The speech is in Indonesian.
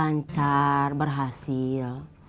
maunya sih lancar berhasil